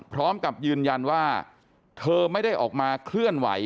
พร้อมกับยืนยันว่าเธอไม่ได้ออกมาเคลื่อนไหว